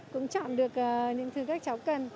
cũng chọn được những thứ các cháu cần